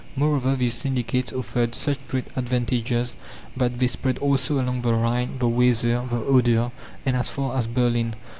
Moreover, these syndicates offered such great advantages that they spread also along the Rhine, the Weser, the Oder, and as far as Berlin.